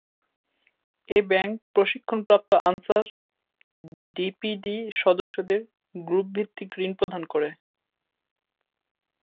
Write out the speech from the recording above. এ bank প্রশিক্ষণপ্রাপ্ত আনসার-ভিডিপি সদস্যদের গ্রুপভিত্তিক ঋণ প্রদান করে।